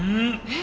え？